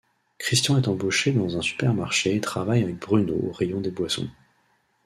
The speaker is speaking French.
Christian est embauché dans un supermarché et travaille avec Bruno au rayon des boissons.